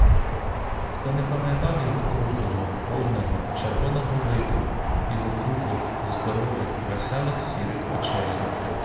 Хто не пам'ятав його круглого, повного, червоного виду, його круглих, здорових, веселих сірих очей!